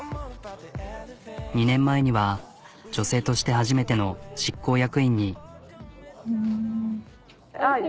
２年前には女性として初めての執行役員に。